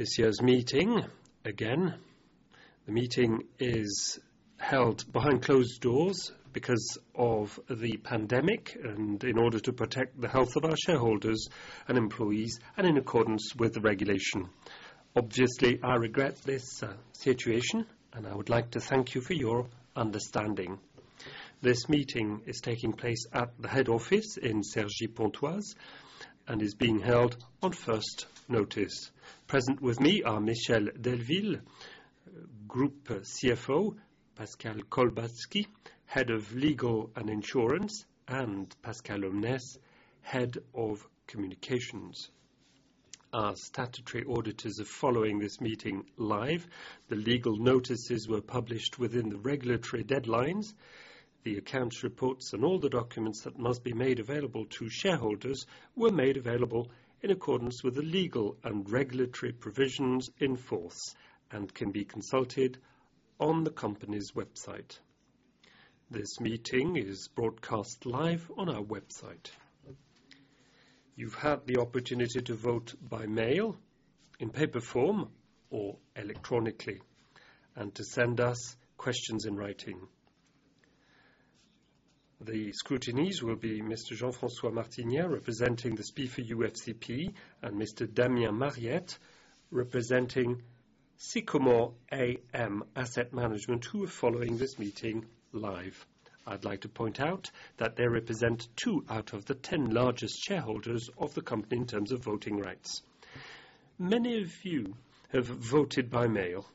This year's meeting, again, the meeting is held behind closed doors because of the pandemic and in order to protect the health of our shareholders and employees, and in accordance with the regulation. Obviously, I regret this situation, and I would like to thank you for your understanding. This meeting is taking place at the head office in Cergy Pontoise and is being held on first notice. Present with me are Michel Delville, Group CFO, Pascal Kolbaczki, Head of Legal and Insurance, and Pascal Omnès, Head of Communications. Our statutory auditors are following this meeting live. The legal notices were published within the regulatory deadlines. The accounts reports and all the documents that must be made available to shareholders were made available in accordance with the legal and regulatory provisions in force and can be consulted on the company's website. This meeting is broadcast live on our website. You've had the opportunity to vote by mail in paper form or electronically, and to send us questions in writing. The scrutineers will be Mr. Jean-François Martinet, representing the SPIE for UFCP, and Mr. Damien Mariette, representing Sycomore AM Asset Management, who are following this meeting live. I'd like to point out that they represent two out of the 10 largest shareholders of the company in terms of voting rights. Many of you have voted by mail.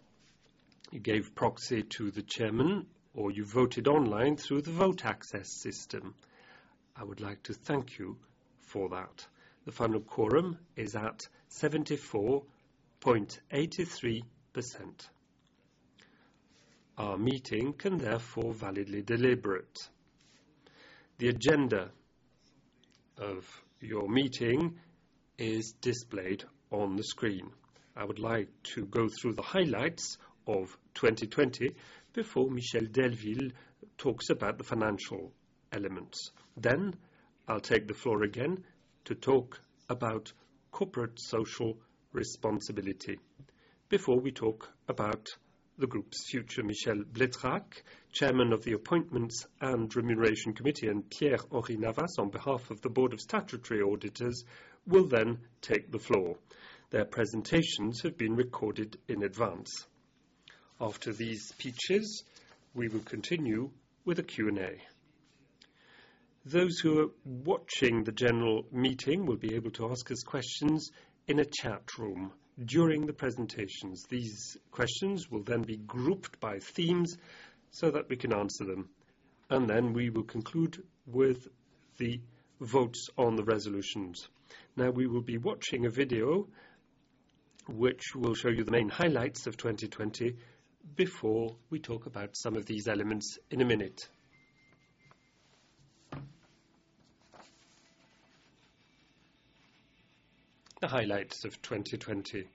You gave proxy to the chairman, or you voted online through the vote access system. I would like to thank you for that. The final quorum is at 74.83%. Our meeting can therefore validly deliberate. The agenda of your meeting is displayed on the screen. I would like to go through the highlights of 2020 before Michel Delville talks about the financial elements. I'll take the floor again to talk about corporate social responsibility. Before we talk about the group's future, Michel Bleitrach, Chairman of the Appointments and Remuneration Committee, and Henri-Pierre Navas on behalf of the Board of Statutory Auditors, will then take the floor. Their presentations have been recorded in advance. After these speeches, we will continue with a Q&A. Those who are watching the general meeting will be able to ask us questions in a chat room during the presentations. These questions will be grouped by themes so that we can answer them, we will conclude with the votes on the resolutions. We will be watching a video which will show you the main highlights of 2020 before we talk about some of these elements in a minute. The highlights of 2020.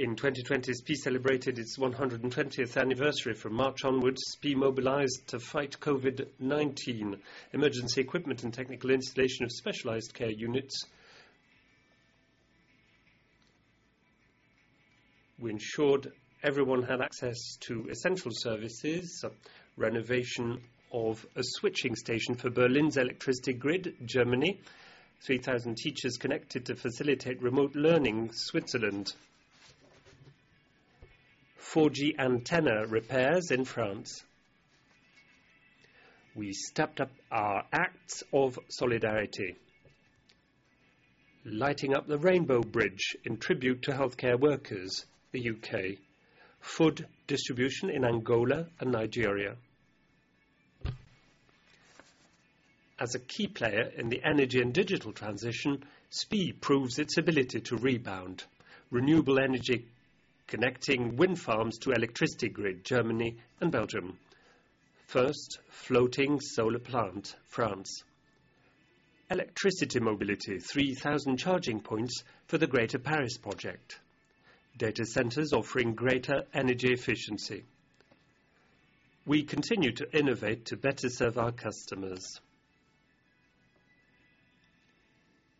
In 2020, SPIE celebrated its 120th anniversary. From March onwards, SPIE mobilized to fight COVID-19. Emergency equipment and technical installation of specialized care units. We ensured everyone had access to essential services. Renovation of a switching station for Berlin's electricity grid, Germany. 3,000 teachers connected to facilitate remote learning, Switzerland. 4G antenna repairs in France. We stepped up our acts of solidarity. Lighting up the Rainbow Bridge in tribute to healthcare workers, the U.K. Food distribution in Angola and Nigeria. As a key player in the energy and digital transition, SPIE proves its ability to rebound. Renewable energy, connecting wind farms to electricity grid, Germany and Belgium. First floating solar plant, France. Electricity mobility, 3,000 charging points for the Greater Paris project. Data centers offering greater energy efficiency. We continue to innovate to better serve our customers.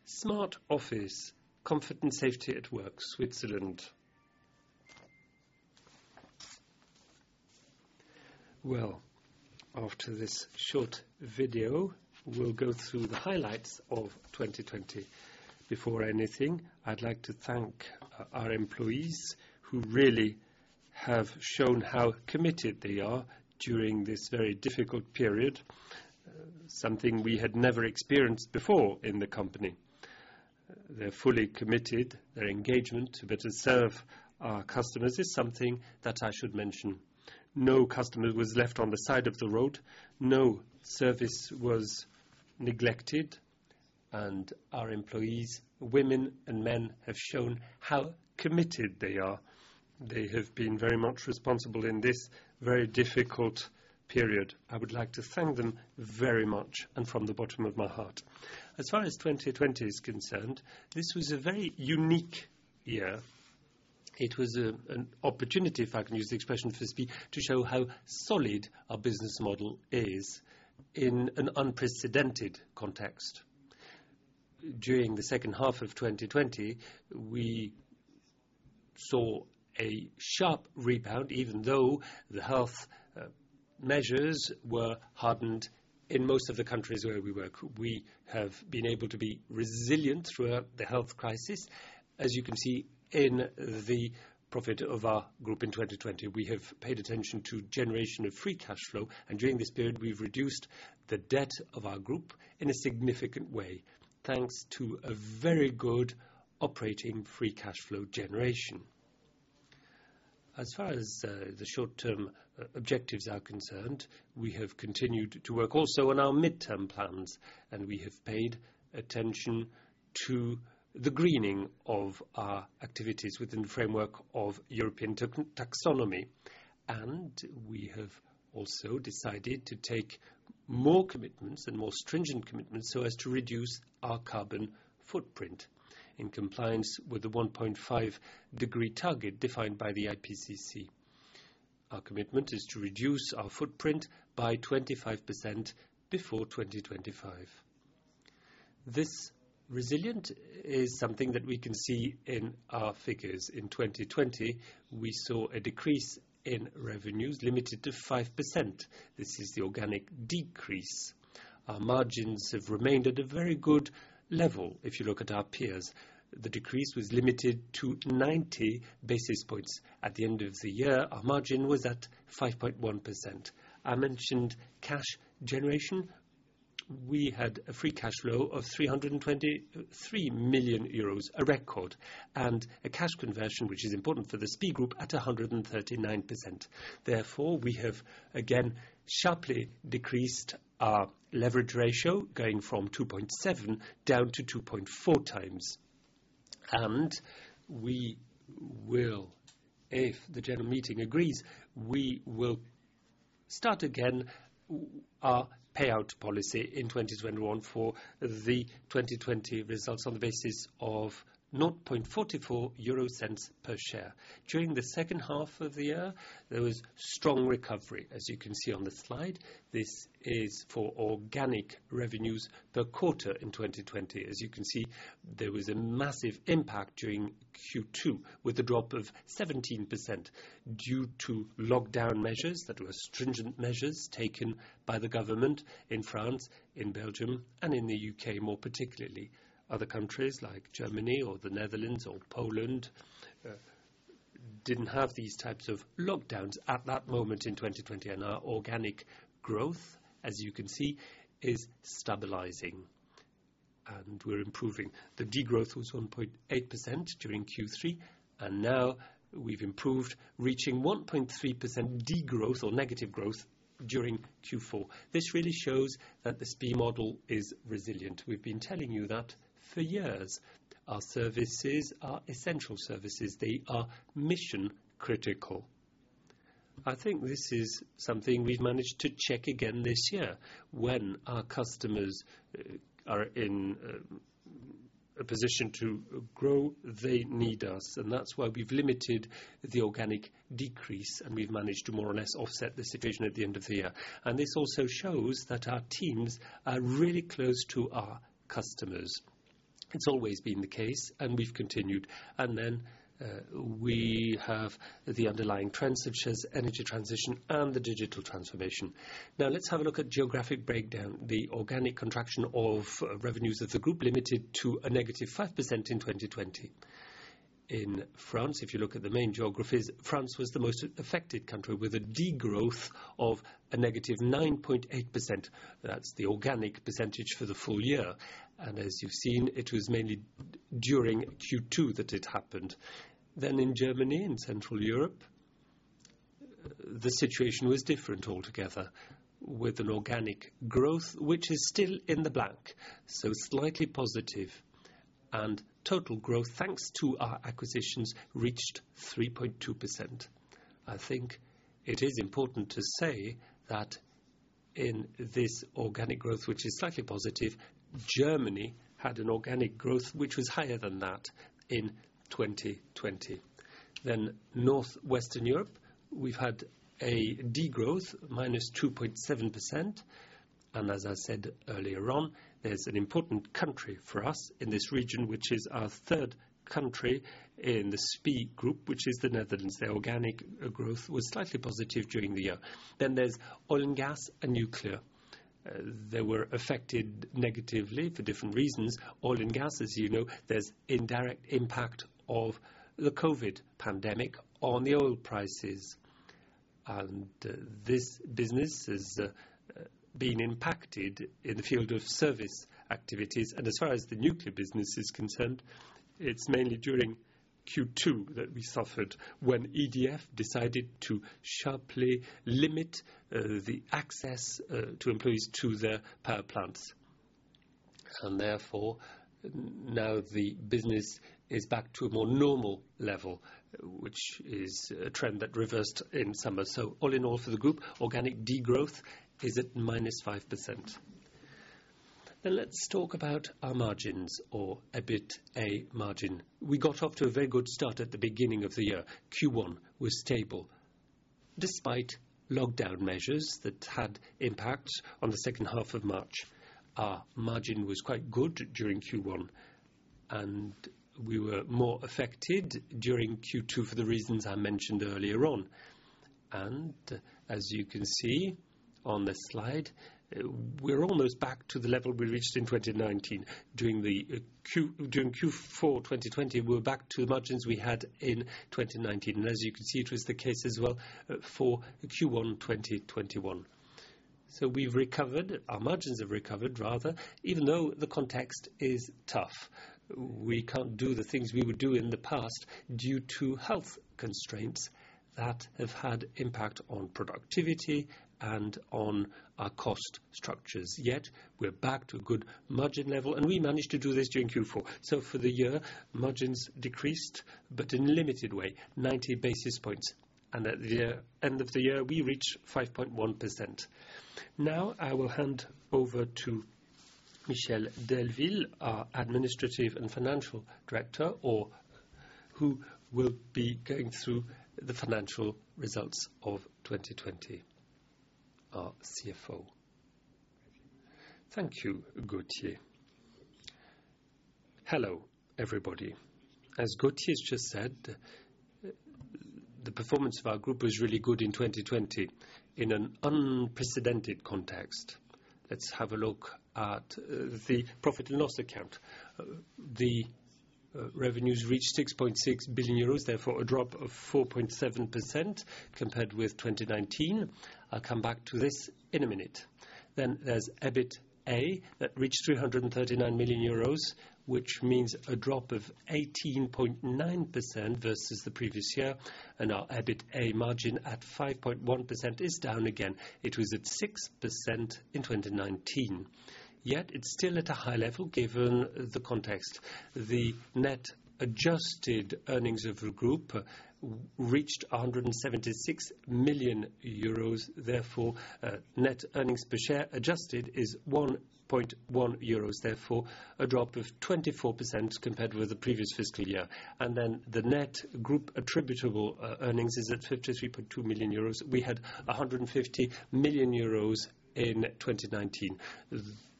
Smart office, comfort and safety at work, Switzerland. Well, after this short video, we'll go through the highlights of 2020. Before anything, I'd like to thank our employees who really have shown how committed they are during this very difficult period. Something we had never experienced before in the company. They're fully committed. Their engagement to better serve our customers is something that I should mention. No customer was left on the side of the road. No service was neglected. Our employees, women and men, have shown how committed they are. They have been very much responsible in this very difficult period. I would like to thank them very much and from the bottom of my heart. As far as 2020 is concerned, this was a very unique year. It was an opportunity, if I can use the expression for SPIE, to show how solid our business model is in an unprecedented context. During the second half of 2020, we saw a sharp rebound, even though the health measures were hardened in most of the countries where we work. We have been able to be resilient throughout the health crisis. As you can see in the profit of our group in 2020, we have paid attention to generation of free cash flow, during this period, we've reduced the debt of our group in a significant way, thanks to a very good operating free cash flow generation. As far as the short-term objectives are concerned, we have continued to work also on our mid-term plans, we have paid attention to the greening of our activities within the framework of European Taxonomy. We have also decided to take more commitments and more stringent commitments so as to reduce our carbon footprint in compliance with the 1.5 degree target defined by the IPCC. Our commitment is to reduce our footprint by 25% before 2025. This resilience is something that we can see in our figures. In 2020, we saw a decrease in revenues limited to 5%. This is the organic decrease. Our margins have remained at a very good level if you look at our peers. The decrease was limited to 90 basis points. At the end of the year, our margin was at 5.1%. I mentioned cash generation. We had a free cash flow of 323 million euros, a record, and a cash conversion, which is important for the SPIE Group, at 139%. We have again sharply decreased our leverage ratio, going from 2.7 down to 2.4 times. We will, if the general meeting agrees, we will start again our payout policy in 2021 for the 2020 results on the basis of 0.44 per share. During the second half of the year, there was strong recovery, as you can see on the slide. This is for organic revenues per quarter in 2020. As you can see, there was a massive impact during Q2 with a drop of 17% due to lockdown measures that were stringent measures taken by the government in France, in Belgium, and in the U.K. more particularly. Other countries like Germany or the Netherlands or Poland didn't have these types of lockdowns at that moment in 2020. Our organic growth, as you can see, is stabilizing and we're improving. The de-growth was 1.8% during Q3, and now we've improved, reaching 1.3% de-growth or negative growth during Q4. This really shows that the SPIE model is resilient. We've been telling you that for years. Our services are essential services. They are mission-critical. I think this is something we've managed to check again this year. When our customers are in a position to grow, they need us, and that's why we've limited the organic decrease, and we've managed to more or less offset the situation at the end of the year. This also shows that our teams are really close to our customers. It's always been the case, and we've continued. We have the underlying trends such as energy transition and the digital transformation. Let's have a look at geographic breakdown. The organic contraction of revenues of the group limited to a -5% in 2020. In France, if you look at the main geographies, France was the most affected country with a de-growth of a -9.8%. That's the organic percentage for the full year. As you've seen, it was mainly during Q2 that it happened. In Germany, in Central Europe, the situation was different altogether with an organic growth, which is still in the black, slightly positive. Total growth, thanks to our acquisitions, reached 3.2%. I think it is important to say that in this organic growth, which is slightly positive, Germany had an organic growth which was higher than that in 2020. Northwestern Europe, we've had a de-growth -2.7%. As I said earlier on, there's an important country for us in this region, which is our third country in the SPIE Group, which is the Netherlands. Their organic growth was slightly positive during the year. There's oil and gas and nuclear. They were affected negatively for different reasons. Oil and gas, as you know, there's indirect impact of the COVID pandemic on the oil prices. This business has been impacted in the field of service activities. As far as the nuclear business is concerned, it's mainly during Q2 that we suffered when EDF decided to sharply limit the access to employees to their power plants. Therefore, now the business is back to a more normal level, which is a trend that reversed in summer. All in all for the group, organic de-growth is at -5%. Let's talk about our margins or EBITA margin. We got off to a very good start at the beginning of the year. Q1 was stable despite lockdown measures that had impact on the second half of March. Our margin was quite good during Q1, and we were more affected during Q2 for the reasons I mentioned earlier on. As you can see on this slide, we're almost back to the level we reached in 2019 during Q4 2020. We're back to the margins we had in 2019, and as you can see, it was the case as well for Q1 2021. We've recovered, our margins have recovered rather, even though the context is tough. We can't do the things we would do in the past due to health constraints that have had impact on productivity and on our cost structures. Yet, we're back to a good margin level, and we managed to do this during Q4. For the year, margins decreased, but in a limited way, 90 basis points. At the end of the year, we reach 5.1%. Now I will hand over to Michel Delville, our administrative and financial director, who will be going through the financial results of 2020. Our CFO. Thank you, Gauthier. Hello, everybody. As Gauthier's just said, the performance of our group was really good in 2020 in an unprecedented context. Let's have a look at the profit and loss account. The revenues reached 6.6 billion euros, therefore a drop of 4.7% compared with 2019. I'll come back to this in a minute. There's EBITA that reached 339 million euros, which means a drop of 18.9% versus the previous year, and our EBITA margin at 5.1% is down again. It was at 6% in 2019. Yet it's still at a high level given the context. The net adjusted earnings of the group reached 176 million euros. Therefore, net earnings per share adjusted is 1.1 euros, therefore a drop of 24% compared with the previous fiscal year. The net group attributable earnings is at 53.2 million euros. We had 150 million euros in 2019.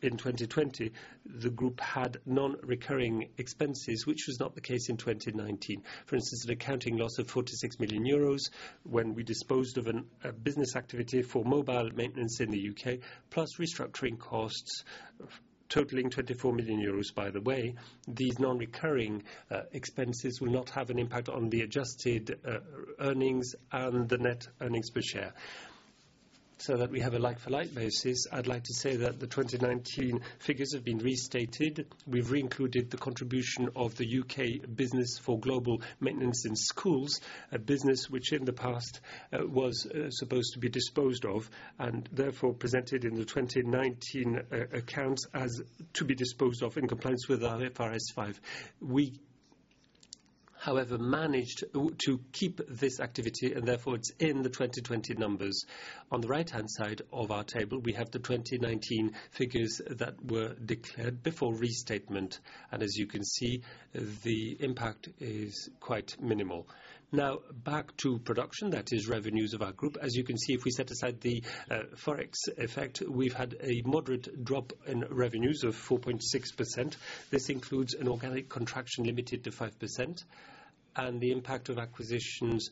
In 2020, the group had non-recurring expenses, which was not the case in 2019. For instance, an accounting loss of 46 million euros when we disposed of a business activity for mobile maintenance in the U.K., plus restructuring costs totaling 24 million euros, by the way. These non-recurring expenses will not have an impact on the adjusted earnings and the net earnings per share. That we have a like-for-like basis, I'd like to say that the 2019 figures have been restated. We've re-included the contribution of the U.K. business for global maintenance in schools, a business which in the past was supposed to be disposed of, and therefore presented in the 2019 accounts as to be disposed of in compliance with IFRS five. We, however, managed to keep this activity, and therefore it's in the 2020 numbers. On the right-hand side of our table, we have the 2019 figures that were declared before restatement. As you can see, the impact is quite minimal. Now, back to production, that is revenues of our group. As you can see, if we set aside the Forex effect, we've had a moderate drop in revenues of 4.6%. This includes an organic contraction limited to 5%, and the impact of acquisitions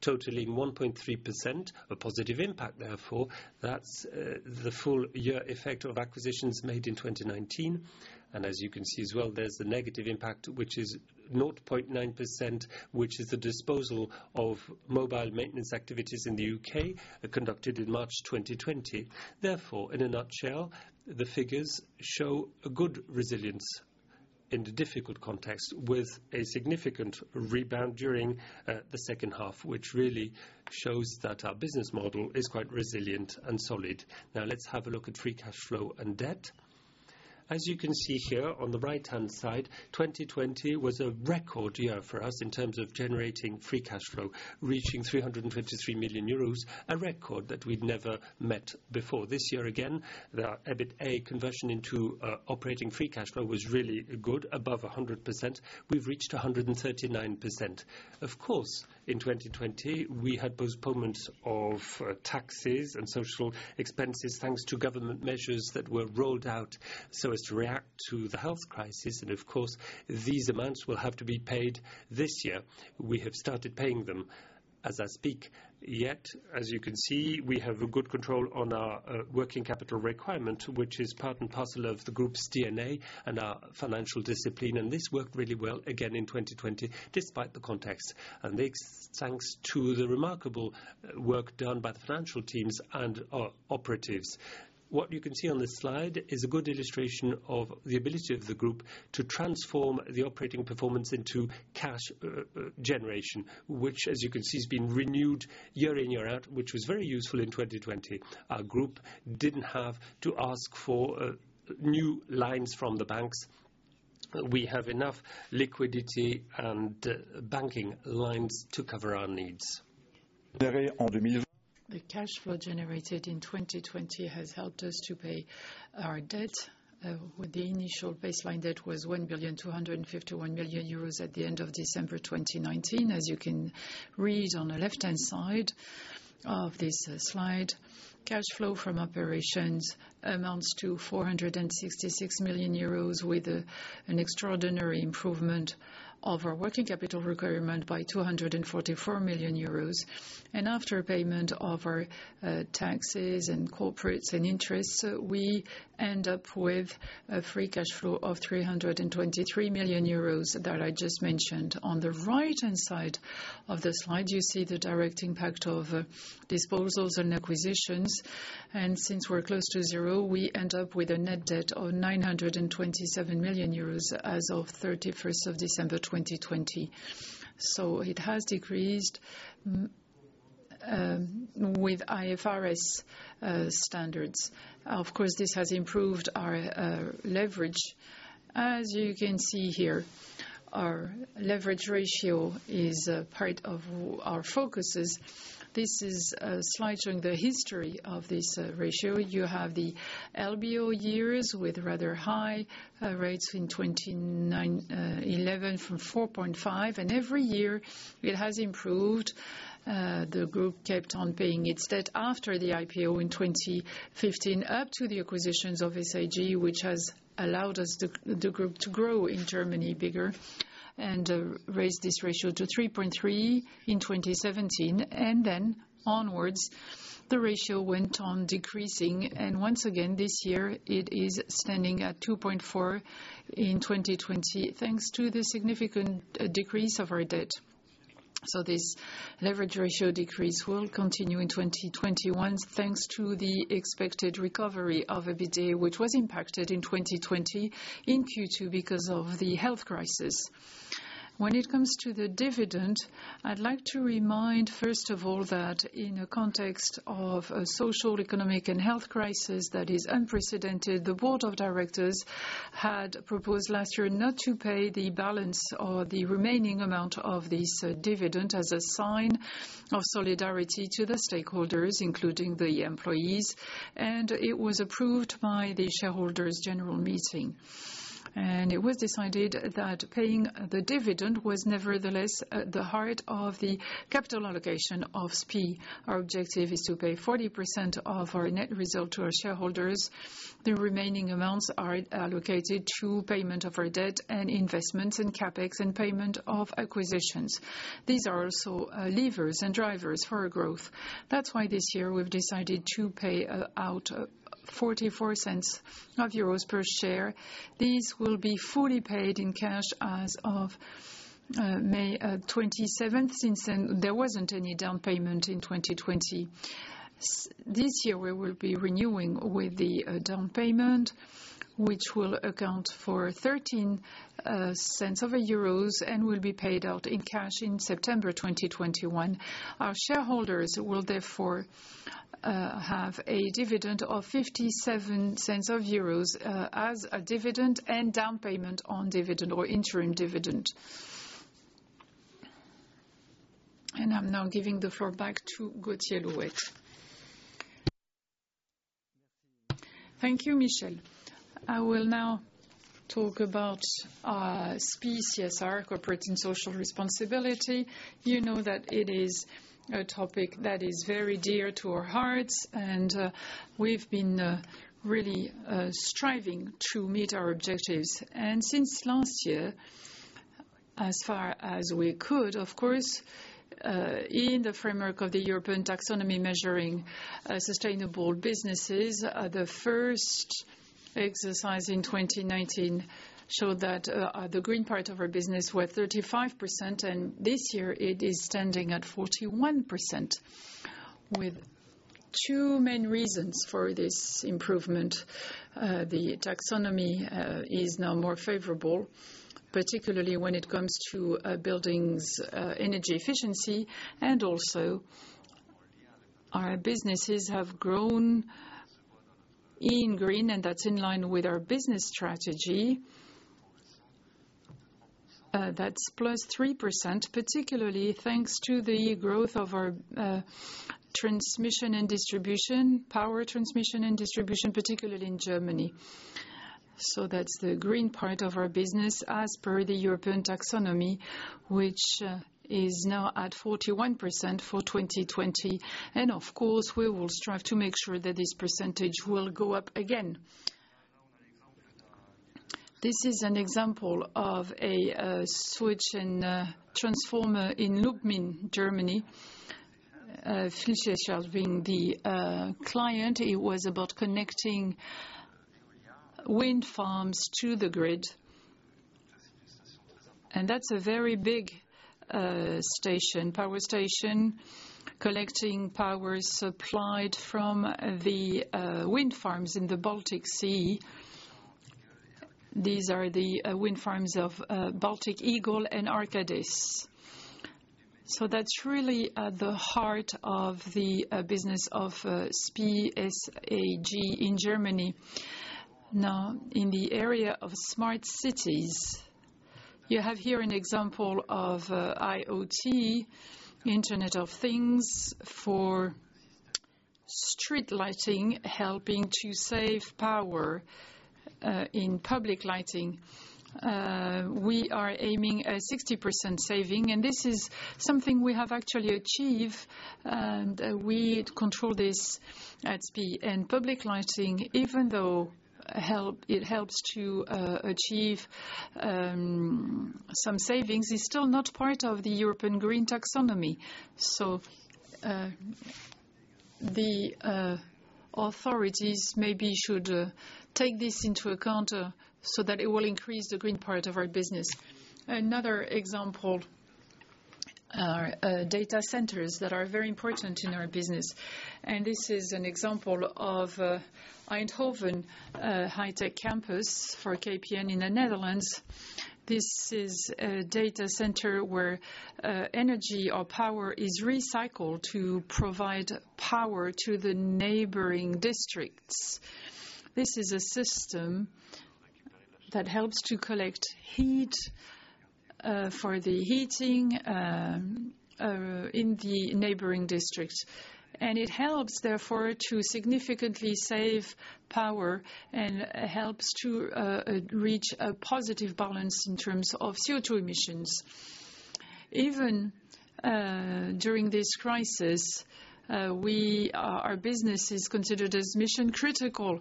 totaling 1.3%, a positive impact, therefore. That's the full year effect of acquisitions made in 2019. As you can see as well, there's the negative impact, which is 0.9%, which is the disposal of mobile maintenance activities in the U.K. conducted in March 2020. Therefore, in a nutshell, the figures show a good resilience in the difficult context with a significant rebound during the second half, which really shows that our business model is quite resilient and solid. Now let's have a look at free cash flow and debt. As you can see here on the right-hand side, 2020 was a record year for us in terms of generating free cash flow, reaching 353 million euros, a record that we'd never met before. This year again, the EBITA conversion into operating free cash flow was really good, above 100%. We've reached 139%. Of course, in 2020, we had postponements of taxes and social expenses, thanks to government measures that were rolled out so as to react to the health crisis. Of course, these amounts will have to be paid this year. We have started paying them as I speak. Yet, as you can see, we have a good control on our working capital requirement, which is part and parcel of the group's DNA and our financial discipline. This worked really well again in 2020, despite the context. Thanks to the remarkable work done by the financial teams and our operatives. What you can see on this slide is a good illustration of the ability of the group to transform the operating performance into cash generation, which as you can see, has been renewed year in, year out, which was very useful in 2020. Our group didn't have to ask for new lines from the banks We have enough liquidity and banking lines to cover our needs. The cash flow generated in 2020 has helped us to pay our debt. The initial baseline debt was 1.251 billion euros at the end of December 2019, as you can read on the left-hand side of this slide. Cash flow from operations amounts to 466 million euros with an extraordinary improvement of our working capital requirement by 244 million euros. After payment of our taxes and corporates and interests, we end up with a free cash flow of 323 million euros that I just mentioned. On the right-hand side of the slide, you see the direct impact of disposals and acquisitions. Since we're close to zero, we end up with a net debt of 927 million euros as of 31st of December 2020. It has decreased, with IFRS standards. Of course, this has improved our leverage. As you can see here, our leverage ratio is part of our focuses. This is a slide showing the history of this ratio. You have the LBO years with rather high rates in 2011 from 4.5. Every year it has improved. The group kept on paying its debt after the IPO in 2015 up to the acquisitions of SAG, which has allowed the group to grow in Germany bigger and raise this ratio to 3.3 in 2017. Onwards, the ratio went on decreasing. Once again, this year it is standing at 2.4 in 2020, thanks to the significant decrease of our debt. This leverage ratio decrease will continue in 2021, thanks to the expected recovery of EBITDA, which was impacted in 2020 in Q2 because of the health crisis. When it comes to the dividend, I'd like to remind, first of all, that in a context of a social, economic, and health crisis that is unprecedented, the board of directors had proposed last year not to pay the balance or the remaining amount of this dividend as a sign of solidarity to the stakeholders, including the employees, and it was approved by the shareholders' general meeting. It was decided that paying the dividend was nevertheless at the heart of the capital allocation of SPIE. Our objective is to pay 40% of our net result to our shareholders. The remaining amounts are allocated to payment of our debt and investments in CapEx and payment of acquisitions. These are also levers and drivers for our growth. That's why this year we've decided to pay out 0.44 per share. These will be fully paid in cash as of May 27th, since there wasn't any down payment in 2020. This year, we will be renewing with the down payment, which will account for 0.13 and will be paid out in cash in September 2021. Our shareholders will therefore have a dividend of 0.57 as a dividend and down payment on dividend or interim dividend. I'm now giving the floor back to Gauthier Louette. Thank you, Michel. I will now talk about SPIE CSR, Corporate Social Responsibility. You know that it is a topic that is very dear to our hearts, and we've been really striving to meet our objectives. Since last year, as far as we could, of course, in the framework of the European Taxonomy measuring sustainable businesses, the first exercise in 2019 showed that the green parts of our business were 35%, and this year it is standing at 41%, with two main reasons for this improvement. The Taxonomy is now more favorable, particularly when it comes to a building's energy efficiency, and also our businesses have grown in green, and that's in line with our business strategy. That's +3%, particularly thanks to the growth of our power transmission, and distribution, particularly in Germany. That's the green part of our business as per the European Taxonomy, which is now at 41% for 2020. Of course, we will strive to make sure that this percentage will go up again. This is an example of a switch and transformer in Lubmin, Germany. Vattenfall being the client, it was about connecting wind farms to the grid. That's a very big power station, collecting power supplied from the wind farms in the Baltic Sea. These are the wind farms of Baltic Eagle and Arcadis Ost 1. That's really at the heart of the business of SPIE SAG in Germany. Now, in the area of smart cities, you have here an example of IoT, Internet of Things, for street lighting, helping to save power in public lighting. We are aiming at 60% saving, and this is something we have actually achieved. We control this at SPIE. Public lighting, even though it helps to achieve some savings, is still not part of the European green taxonomy. The authorities maybe should take this into account so that it will increase the green part of our business. Another example, data centers that are very important in our business. This is an example of Eindhoven high-tech campus for KPN in the Netherlands. This is a data center where energy or power is recycled to provide power to the neighboring districts. This is a system that helps to collect heat for the heating in the neighboring districts. It helps, therefore, to significantly save power and helps to reach a positive balance in terms of CO2 emissions. Even during this crisis, our business is considered as mission critical.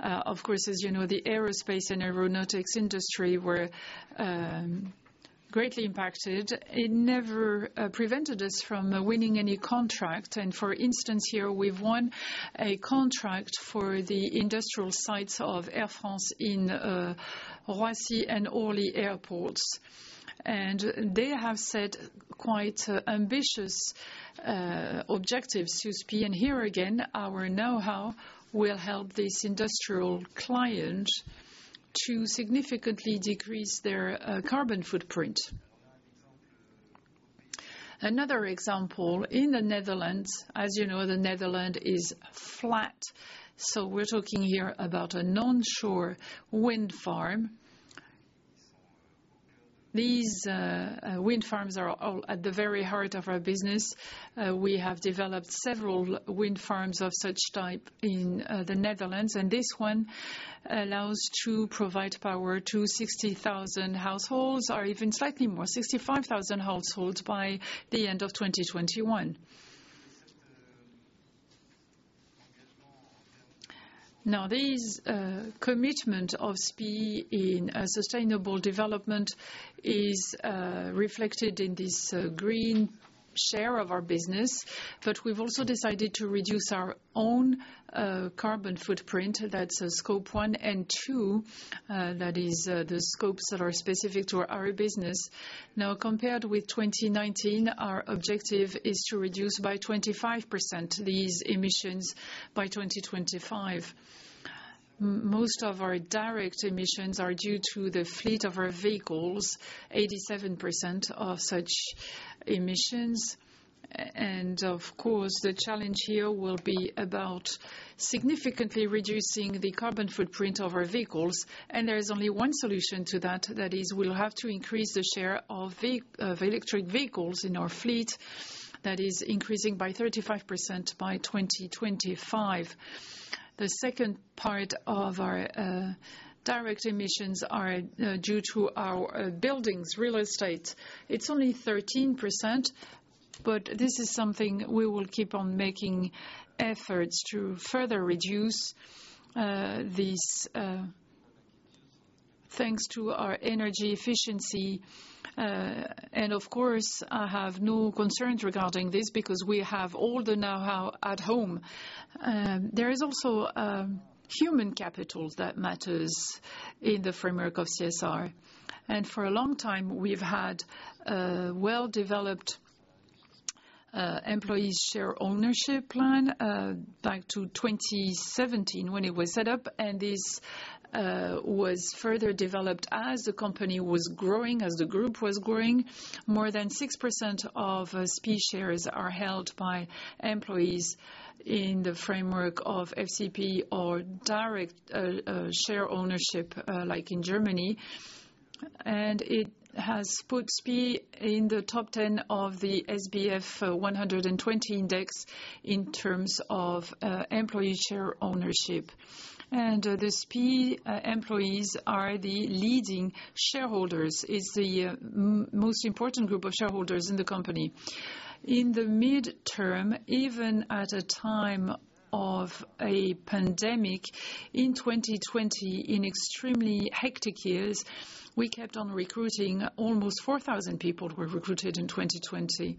Of course, as you know, the aerospace and aeronautics industry were greatly impacted. It never prevented us from winning any contract, and for instance, here, we've won a contract for the industrial sites of Air France in Roissy and Orly airports. They have set quite ambitious objectives to SPIE. Here again, our know-how will help this industrial client to significantly decrease their carbon footprint. Another example in the Netherlands. As you know, the Netherlands is flat, we're talking here about an onshore wind farm. These wind farms are at the very heart of our business. We have developed several wind farms of such type in the Netherlands, this one allows to provide power to 60,000 households, or even slightly more, 65,000 households by the end of 2021. This commitment of SPIE in sustainable development is reflected in this green share of our business. We've also decided to reduce our own carbon footprint. That's scope one and two. That is the scopes that are specific to our business. Compared with 2019, our objective is to reduce by 25% these emissions by 2025. Most of our direct emissions are due to the fleet of our vehicles, 87% of such emissions. Of course, the challenge here will be about significantly reducing the carbon footprint of our vehicles, and there is only one solution to that. That is, we'll have to increase the share of electric vehicles in our fleet. That is increasing by 35% by 2025. The second part of our direct emissions are due to our buildings, real estate. It's only 13%, but this is something we will keep on making efforts to further reduce these, thanks to our energy efficiency. Of course, I have no concerns regarding this because we have all the knowhow at home. There is also human capital that matters in the framework of CSR. For a long time, we've had a well-developed employee share ownership plan, back to 2017 when it was set up. This was further developed as the company was growing, as the group was growing. More than 6% of SPIE shares are held by employees in the framework of FCP or direct share ownership, like in Germany. It has put SPIE in the top 10 of the SBF 120 index in terms of employee share ownership. The SPIE employees are the leading shareholders, is the most important group of shareholders in the company. In the midterm, even at a time of a pandemic in 2020, in extremely hectic years, we kept on recruiting. Almost 4,000 people were recruited in 2020.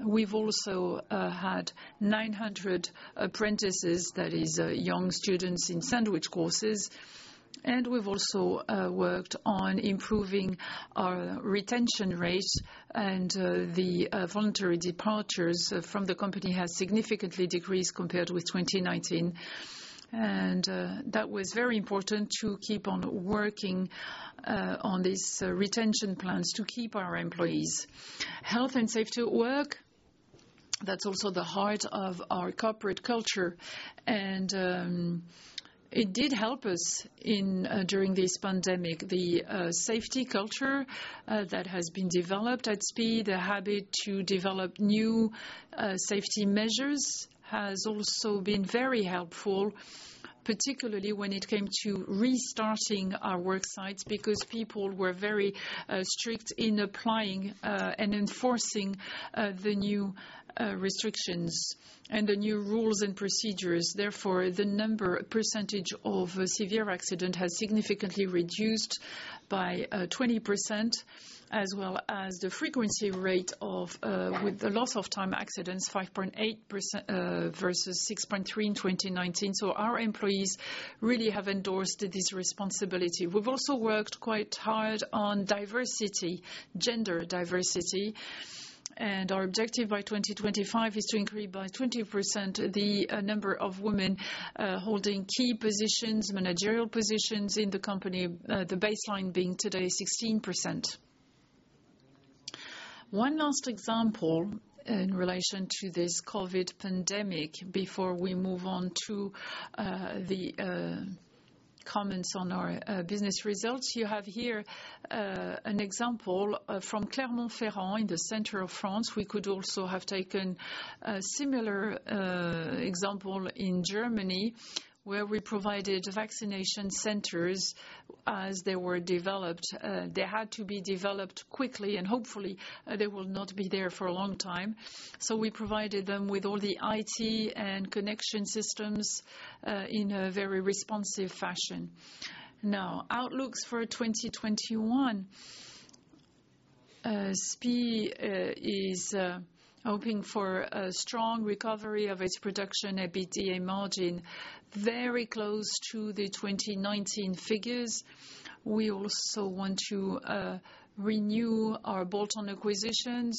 We've also had 900 apprentices, that is young students in sandwich courses. We've also worked on improving our retention rate, and the voluntary departures from the company has significantly decreased compared with 2019. That was very important to keep on working on these retention plans to keep our employees. Health and safety at work. That's also the heart of our corporate culture. It did help us during this pandemic. The safety culture that has been developed at SPIE, the habit to develop new safety measures, has also been very helpful, particularly when it came to restarting our work sites, because people were very strict in applying and enforcing the new restrictions and the new rules and procedures. Therefore, the percentage of severe accident has significantly reduced by 20%, as well as the frequency rate with the loss of time accidents, 5.8% versus 6.3% in 2019. Our employees really have endorsed this responsibility. We've also worked quite hard on diversity, gender diversity. Our objective by 2025 is to increase by 20% the number of women holding key positions, managerial positions in the company, the baseline being today 16%. One last example in relation to this COVID pandemic before we move on to the comments on our business results. You have here an example from Clermont-Ferrand in the center of France. We could also have taken a similar example in Germany, where we provided vaccination centers as they were developed. They had to be developed quickly, and hopefully, they will not be there for a long time. We provided them with all the IT and connection systems in a very responsive fashion. Now, outlooks for 2021. SPIE is hoping for a strong recovery of its production EBITDA margin, very close to the 2019 figures. We also want to renew our bolt-on acquisitions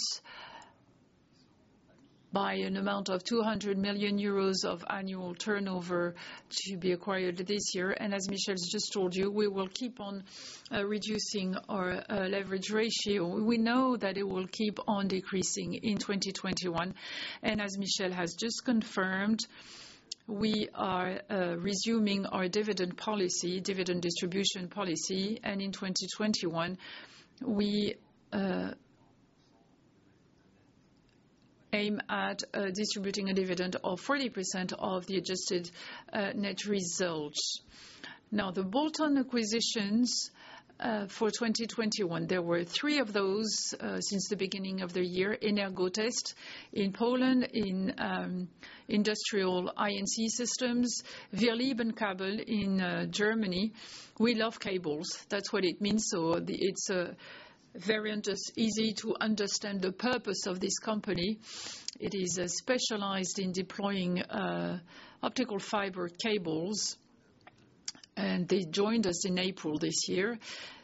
by an amount of 200 million euros of annual turnover to be acquired this year. As Michel has just told you, we will keep on reducing our leverage ratio. We know that it will keep on decreasing in 2021. As Michel has just confirmed, we are resuming our dividend policy, dividend distribution policy. In 2021, we aim at distributing a dividend of 40% of the adjusted net results. Now, the bolt-on acquisitions for 2021. There were three of those since the beginning of the year. Energotest in Poland in industrial I&C systems. WirliebenKabel in Germany. We love cables. That's what it means. It's very easy to understand the purpose of this company. It is specialized in deploying optical fiber cables, and they joined us in April this year.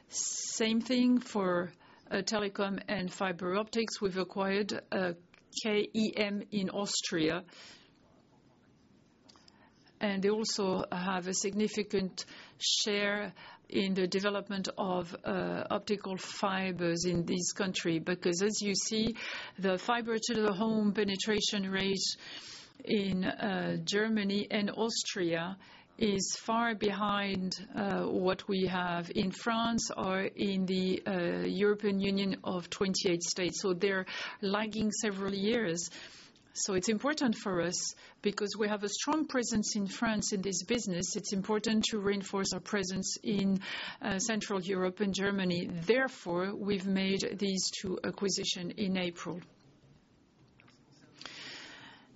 Same thing for telecom and fiber optics. We've acquired KEM in Austria. They also have a significant share in the development of optical fibers in this country. Because as you see, the fiber to the home penetration rate in Germany and Austria is far behind what we have in France or in the European Union of 28 states. They're lagging several years. It's important for us because we have a strong presence in France in this business. It's important to reinforce our presence in Central Europe and Germany. We've made these two acquisition in April.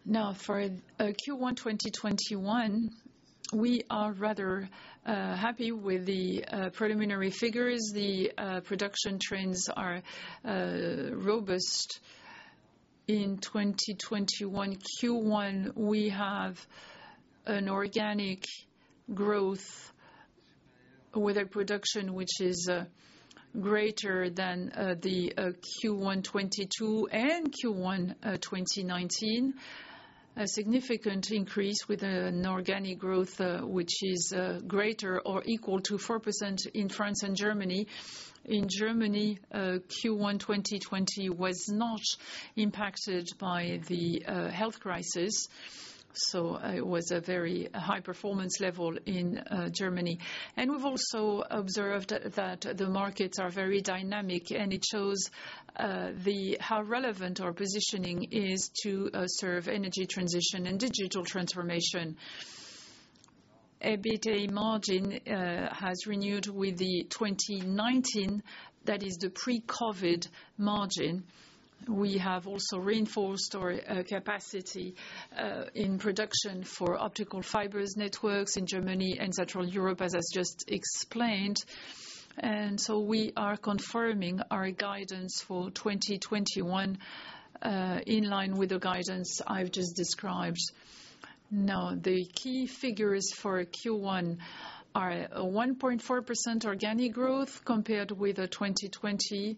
For Q1 2021, we are rather happy with the preliminary figures. The production trends are robust. In 2021 Q1, we have an organic growth with a production which is greater than the Q1 2022 and Q1 2019. A significant increase with an organic growth which is greater or equal to 4% in France and Germany. In Germany, Q1 2020 was not impacted by the health crisis, so it was a very high performance level in Germany. We've also observed that the markets are very dynamic, and it shows how relevant our positioning is to serve energy transition and digital transformation. EBITDA margin has renewed with the 2019. That is the pre-COVID margin. We have also reinforced our capacity in production for optical fibers networks in Germany and Central Europe, as I just explained. We are confirming our guidance for 2021, in line with the guidance I've just described. The key figures for Q1 are a 1.4% organic growth compared with 2020,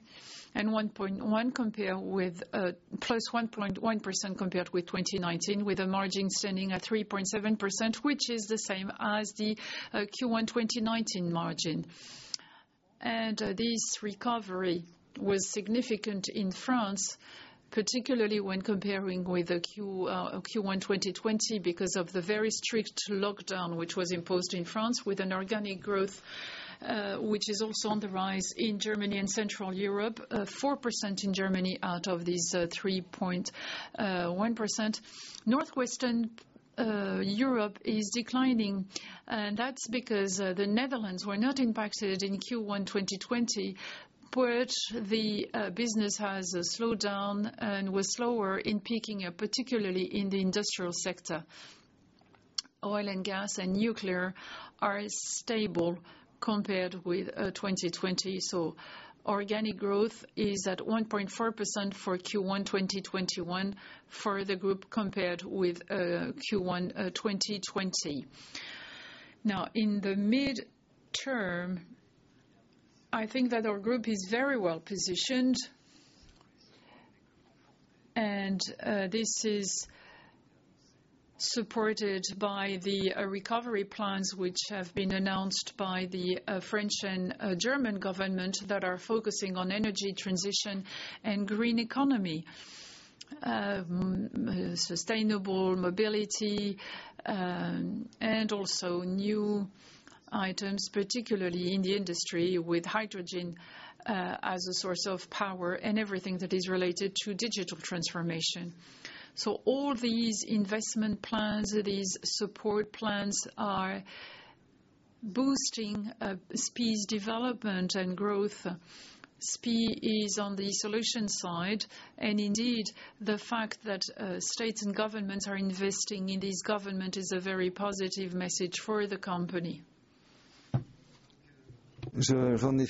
plus 1.1% compared with 2019, with a margin standing at 3.7%, which is the same as the Q1 2019 margin. This recovery was significant in France, particularly when comparing with Q1 2020 because of the very strict lockdown which was imposed in France with an organic growth, which is also on the rise in Germany and Central Europe. 4% in Germany out of this 3.1%. Northwestern Europe is declining, and that's because the Netherlands were not impacted in Q1 2020, but the business has slowed down and was slower in picking up, particularly in the industrial sector. Oil and gas and nuclear are stable compared with 2020. Organic growth is at 1.4% for Q1 2021 for the group compared with Q1 2020. In the midterm, I think that our group is very well-positioned, and this is supported by the recovery plans which have been announced by the French and German government that are focusing on energy transition and green economy. Sustainable mobility, also new items, particularly in the industry with hydrogen as a source of power and everything that is related to digital transformation. All these investment plans, these support plans are boosting SPIE's development and growth. SPIE is on the solution side, the fact that states and governments are investing in this government is a very positive message for the company. Right.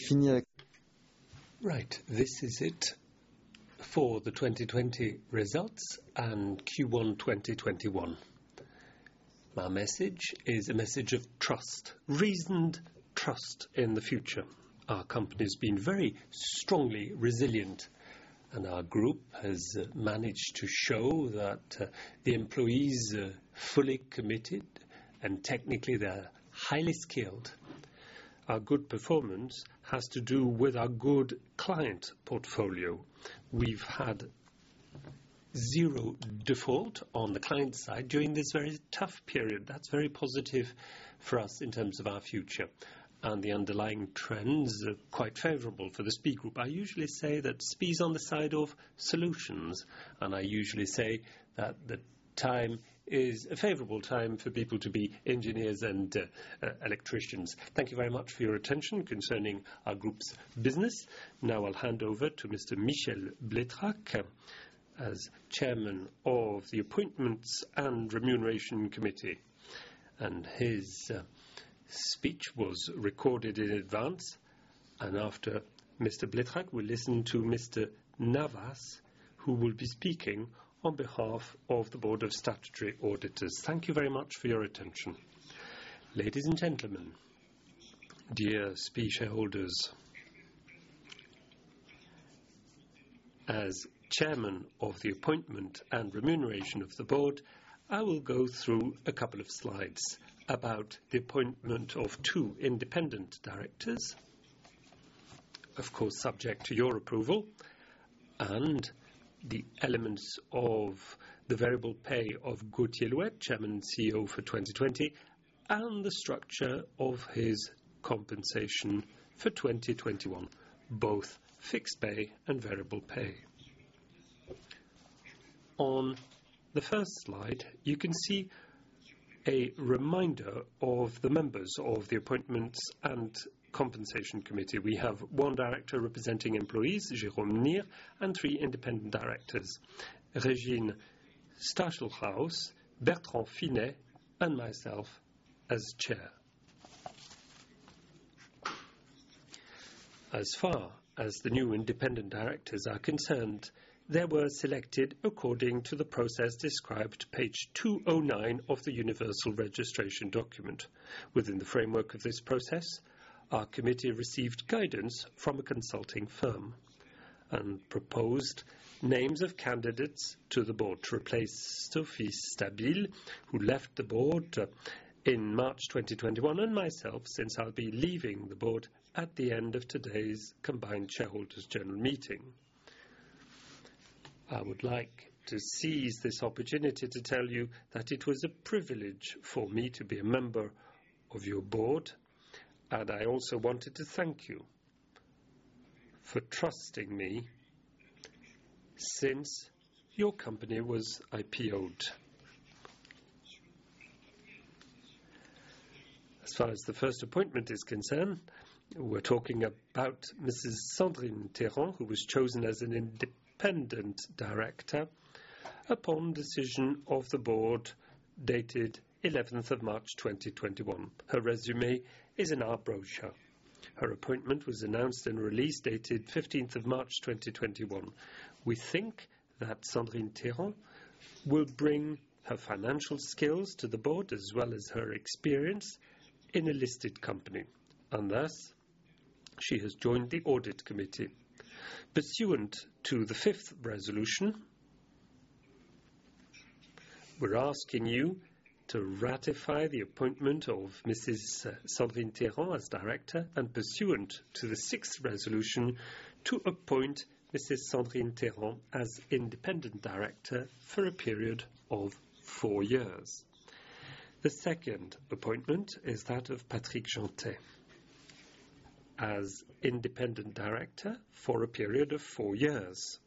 This is it for the 2020 results and Q1 2021. My message is a message of trust, reasoned trust in the future. Our company's been very strongly resilient, and our group has managed to show that the employees are fully committed, and technically they are highly skilled. Our good performance has to do with our good client portfolio. We've had zero default on the client side during this very tough period. That's very positive for us in terms of our future, and the underlying trends are quite favorable for the SPIE Group. I usually say that SPIE's on the side of solutions, and I usually say that the time is a favorable time for people to be engineers and electricians. Thank you very much for your attention concerning our group's business. Now I'll hand over to Mr. Michel Bleitrach as Chairman of the Appointments and Remuneration Committee, his speech was recorded in advance. After Mr. Bleitrach, we'll listen to Mr. Navas, who will be speaking on behalf of the Board of Statutory Auditors. Thank you very much for your attention. Ladies and gentlemen, dear SPIE shareholders. As Chairman of the Appointments and Remuneration of the Board, I will go through a couple of slides about the appointment of two independent directors, of course, subject to your approval, and the elements of the variable pay of Gauthier Louette, Chairman CEO for 2020, and the structure of his compensation for 2021, both fixed pay and variable pay. On the first slide, you can see a reminder of the members of the Appointments and Compensation Committee. We have one director representing employees, Jérôme Nier, and three independent directors, Regine Stachelhaus, Bertrand Finet, and myself as chair. As far as the new independent directors are concerned, they were selected according to the process described page 209 of the universal registration document. Within the framework of this process, our committee received guidance from a consulting firm and proposed names of candidates to the board to replace Sophie Stabile, who left the board in March 2021, and myself, since I'll be leaving the board at the end of today's combined shareholders general meeting. I would like to seize this opportunity to tell you that it was a privilege for me to be a member of your board, and I also wanted to thank you for trusting me since your company was IPO'd. As far as the first appointment is concerned, we're talking about Mrs. Sandrine Téran who was chosen as an independent director upon decision of the board, dated 11th of March 2021. Her resume is in our brochure. Her appointment was announced in a release dated 15th of March 2021. We think that Sandrine Téran will bring her financial skills to the board as well as her experience in a listed company. Thus, she has joined the audit committee. Pursuant to the fifth resolution. We're asking you to ratify the appointment of Mrs. Sandrine Téran as director, and pursuant to the sixth resolution, to appoint Mrs. Sandrine Téran as independent director for a period of four years. The second appointment is that of Patrick Jeantet as independent director for a period of four years.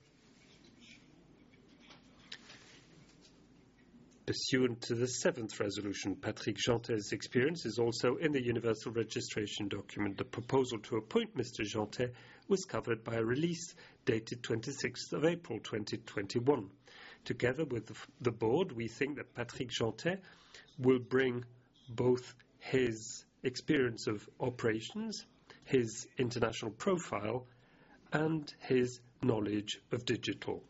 Pursuant to the seventh resolution, Patrick Jeantet's experience is also in the universal registration document. The proposal to appoint Mr. Jeantet was covered by a release dated 26th of April 2021. Together with the board, we think that Patrick Jeantet will bring both his experience of operations, his international profile, and his knowledge of digital.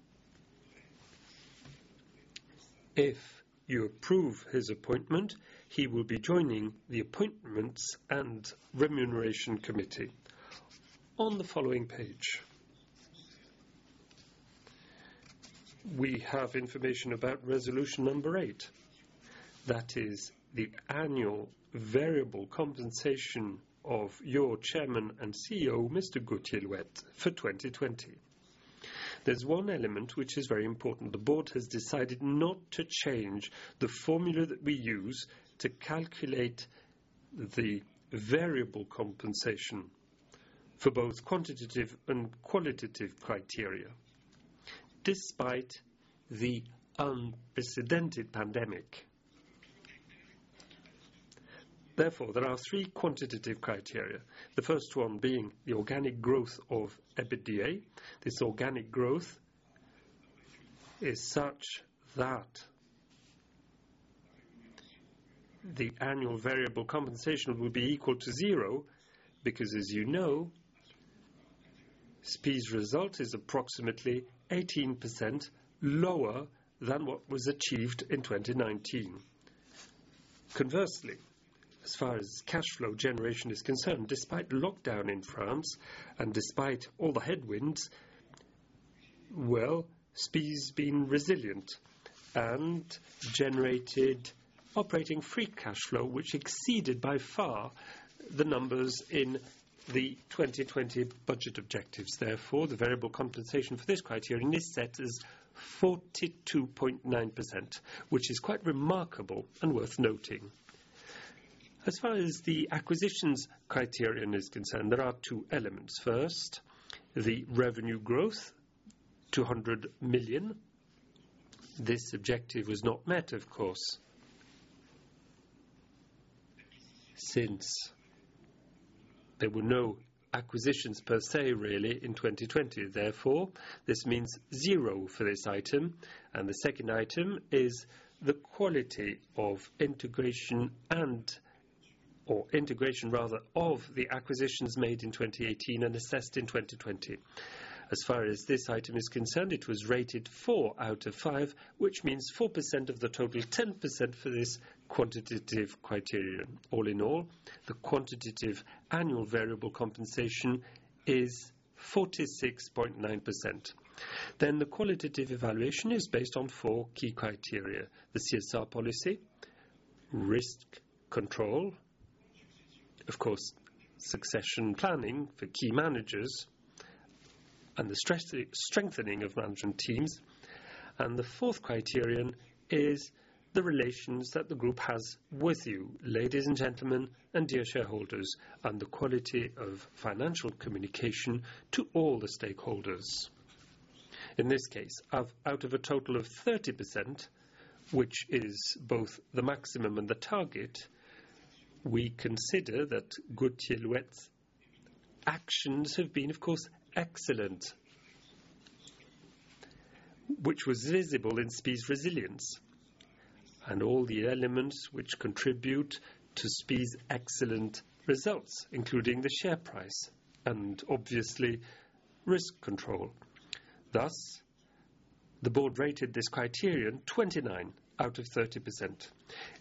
If you approve his appointment, he will be joining the appointments and remuneration committee. On the following page, we have information about resolution number eight. That is the annual variable compensation of your Chairman and CEO, Mr. Gauthier Louette, for 2020. There's one element which is very important. The board has decided not to change the formula that we use to calculate the variable compensation for both quantitative and qualitative criteria, despite the unprecedented pandemic. There are three quantitative criteria. The first one being the organic growth of EBITDA. This organic growth is such that the annual variable compensation will be equal to zero because, as you know, SPIE's result is approximately 18% lower than what was achieved in 2019. As far as cash flow generation is concerned, despite lockdown in France and despite all the headwinds, well, SPIE's been resilient and generated operating free cash flow, which exceeded by far the numbers in the 2020 budget objectives. The variable compensation for this criterion is set as 42.9%, which is quite remarkable and worth noting. As far as the acquisitions criterion is concerned, there are two elements. First, the revenue growth, 200 million. This objective was not met, of course, since there were no acquisitions per se really in 2020. Therefore, this means zero for this item, and the second item is the quality of integration and/or integration rather of the acquisitions made in 2018 and assessed in 2020. As far as this item is concerned, it was rated four out of five, which means 4% of the total 10% for this quantitative criterion. The qualitative evaluation is based on four key criteria. The CSR policy, risk control, of course, succession planning for key managers, and the strengthening of management teams. The fourth criterion is the relations that the group has with you, ladies and gentlemen, and dear shareholders, and the quality of financial communication to all the stakeholders. In this case, out of a total of 30%, which is both the maximum and the target, we consider that Gauthier Louette's actions have been, of course, excellent, which was visible in SPIE's resilience. All the elements which contribute to SPIE's excellent results, including the share price, and obviously risk control. Thus, the board rated this criterion 29 out of 30%.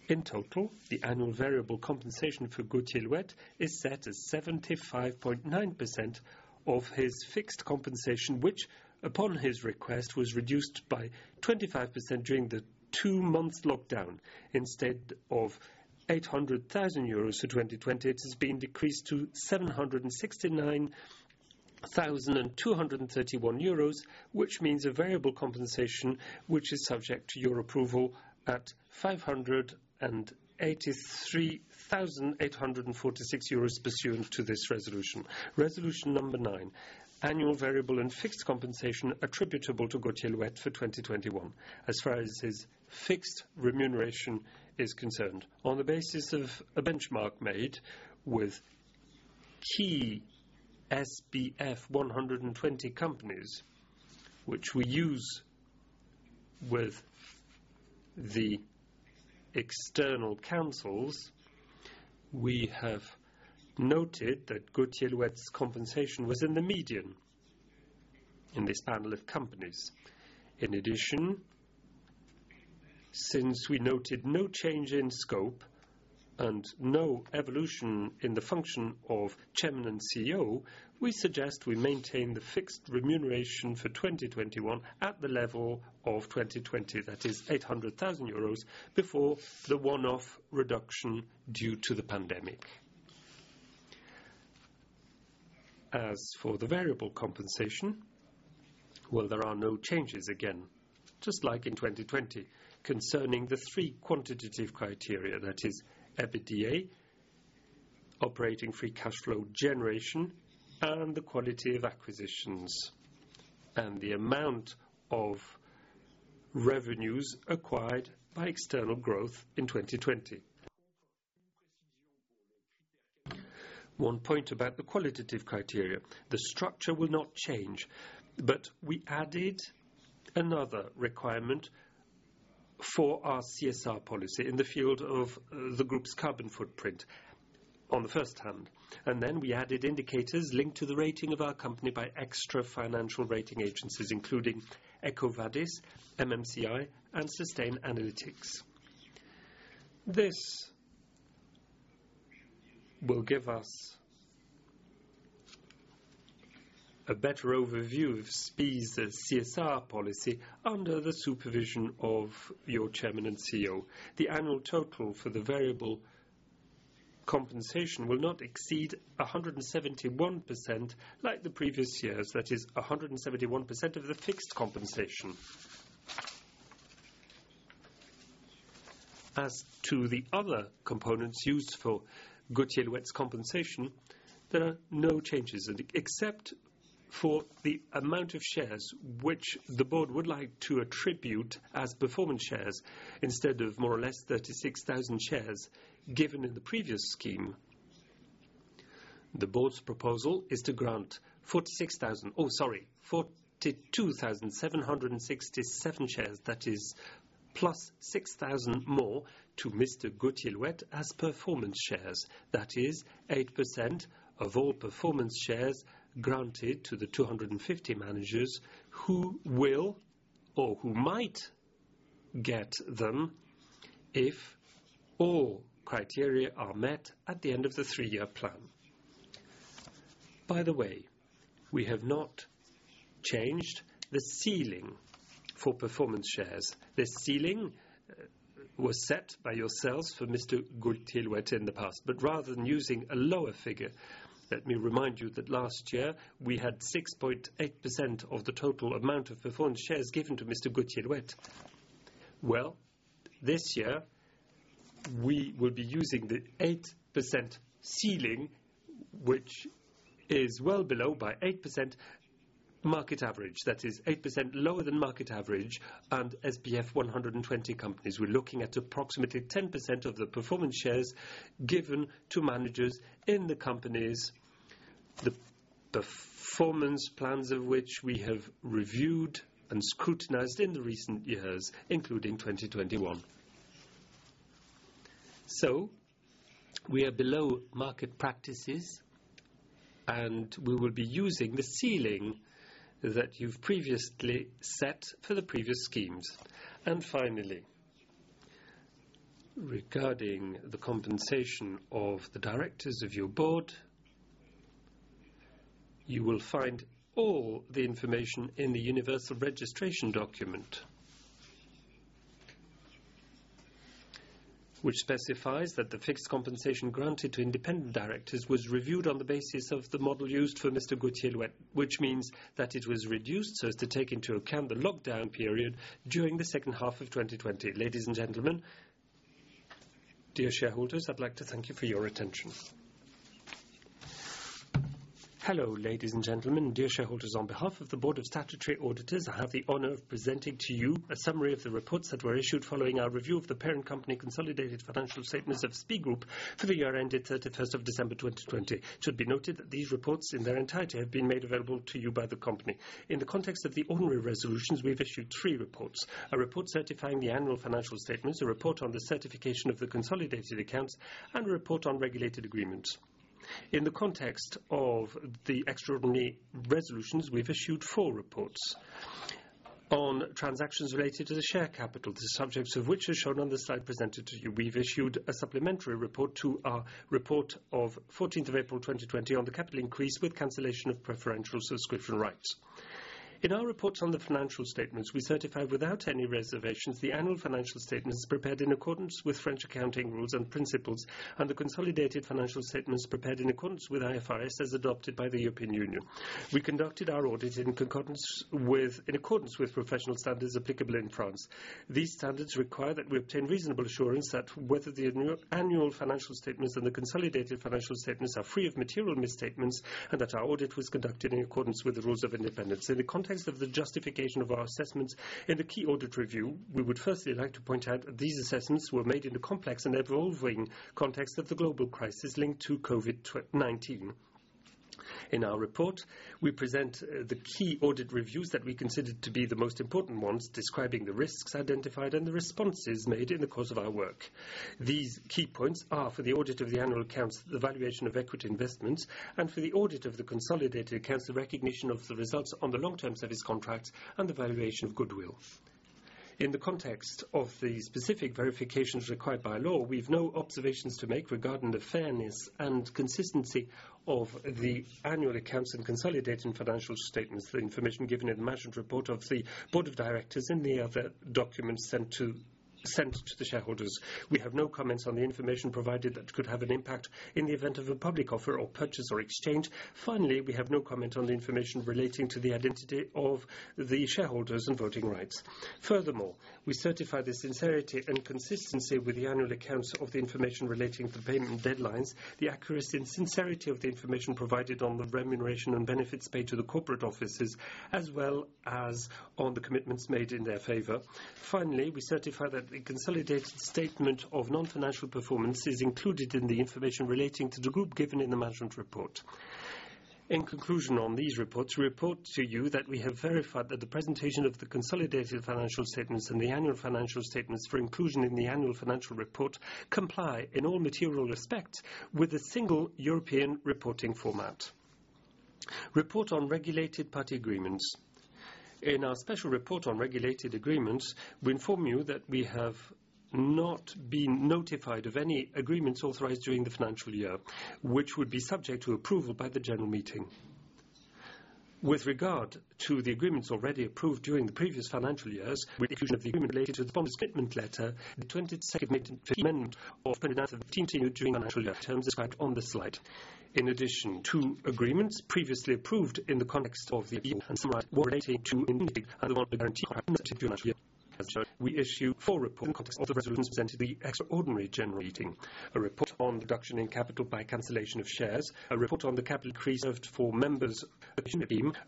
In total, the annual variable compensation for Gauthier Louette is set as 75.9% of his fixed compensation, which, upon his request, was reduced by 25% during the two months lockdown. Instead of 800,000 euros for 2020, it has been decreased to 769,231 euros, which means a variable compensation which is subject to your approval at 583,846 euros pursuant to this resolution. Resolution number nine, annual variable and fixed compensation attributable to Gauthier Louette for 2021. As far as his fixed remuneration is concerned, on the basis of a benchmark made with key SBF 120 companies, which we use with the external counsels, we have noted that Gauthier Louette's compensation was in the median in this panel of companies. In addition, since we noted no change in scope and no evolution in the function of Chairman and CEO, we suggest we maintain the fixed remuneration for 2021 at the level of 2020. That is 800,000 euros before the one-off reduction due to the pandemic. As for the variable compensation, well, there are no changes again, just like in 2020, concerning the three quantitative criteria. That is EBITDA, operating free cash flow generation, and the quality of acquisitions, and the amount of revenues acquired by external growth in 2020. One point about the qualitative criteria. The structure will not change. We added another requirement for our CSR policy in the field of the group's carbon footprint on the first hand, and then we added indicators linked to the rating of our company by extra financial rating agencies, including EcoVadis, MSCI, and Sustainalytics. This will give us a better overview of SPIE's CSR policy under the supervision of your Chairman and CEO. The annual total for the variable compensation will not exceed 171% like the previous years. That is 171% of the fixed compensation. As to the other components used for Gauthier Louette's compensation, there are no changes except for the amount of shares which the board would like to attribute as performance shares instead of more or less 36,000 shares given in the previous scheme. The board's proposal is to grant 42,767 shares. That is plus 6,000 more to Mr. Gauthier Louette as performance shares. That is 8% of all performance shares granted to the 250 managers who will or who might get them if all criteria are met at the end of the three-year plan. By the way, we have not changed the ceiling for performance shares. This ceiling was set by yourselves for Mr. Gauthier Louette in the past. Rather than using a lower figure, let me remind you that last year we had 6.8% of the total amount of performance shares given to Mr. Gauthier Louette. This year, we will be using the 8% ceiling, which is well below by 8% market average. That is 8% lower than market average and SBF 120 companies. We're looking at approximately 10% of the performance shares given to managers in the companies, the performance plans of which we have reviewed and scrutinized in the recent years, including 2021. We are below market practices, and we will be using the ceiling that you've previously set for the previous schemes. Finally, regarding the compensation of the directors of your board, you will find all the information in the universal registration document, which specifies that the fixed compensation granted to independent directors was reviewed on the basis of the model used for Mr. Gauthier Louette, which means that it was reduced so as to take into account the lockdown period during the second half of 2020. Ladies and gentlemen, dear shareholders, I'd like to thank you for your attention. Hello, ladies and gentlemen, dear shareholders. On behalf of the Board of Statutory Auditors, I have the honor of presenting to you a summary of the reports that were issued following our review of the parent company consolidated financial statements of SPIE Group for the year ended 31st of December 2020. It should be noted that these reports in their entirety have been made available to you by the company. In the context of the ordinary resolutions, we have issued three reports. A report certifying the annual financial statements, a report on the certification of the consolidated accounts, and a report on regulated agreements. In the context of the extraordinary resolutions, we've issued four reports on transactions related to the share capital, the subjects of which are shown on the slide presented to you. We've issued a supplementary report to our report of 14th of April 2020 on the capital increase with cancellation of preferential subscription rights. In our reports on the financial statements, we certified without any reservations the annual financial statements prepared in accordance with French accounting rules and principles, and the consolidated financial statements prepared in accordance with IFRS as adopted by the European Union. We conducted our audit in accordance with professional standards applicable in France. These standards require that we obtain reasonable assurance that whether the annual financial statements and the consolidated financial statements are free of material misstatements, and that our audit was conducted in accordance with the rules of independence. In the context of the justification of our assessments in the key audit review, we would firstly like to point out that these assessments were made in a complex and evolving context of the global crisis linked to COVID-19. In our report, we present the key audit reviews that we considered to be the most important ones, describing the risks identified and the responses made in the course of our work. These key points are for the audit of the annual accounts, the valuation of equity investments, and for the audit of the consolidated accounts, the recognition of the results on the long-term service contracts and the valuation of goodwill. In the context of the specific verifications required by law, we've no observations to make regarding the fairness and consistency of the annual accounts and consolidating financial statements, the information given in the management report of the board of directors in the other documents sent to the shareholders. We have no comments on the information provided that could have an impact in the event of a public offer or purchase or exchange. We have no comment on the information relating to the identity of the shareholders and voting rights. Furthermore, we certify the sincerity and consistency with the annual accounts of the information relating to payment deadlines, the accuracy and sincerity of the information provided on the remuneration and benefits paid to the corporate offices, as well as on the commitments made in their favor. Finally, we certify that the consolidated statement of non-financial performance is included in the information relating to the group given in the management report. In conclusion on these reports, we report to you that we have verified that the presentation of the consolidated financial statements and the annual financial statements for inclusion in the annual financial report comply in all material respects with a single European reporting format. Report on related-party agreements. In our special report on regulated agreements, we inform you that we have not been notified of any agreements authorized during the financial year, which would be subject to approval by the general meeting. With regard to the agreements already approved during the previous financial years, with the inclusion of the agreement related to the bonus statement letter, the 22nd of May continued during the financial year terms described on the slide. In addition to agreements previously approved, we issue four reports in the context of the resolutions presented at the extraordinary general meeting. A report on reduction in capital by cancellation of shares, a report on the capital increase reserved for members, a